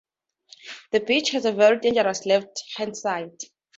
The beach has a very dangerous left hand side.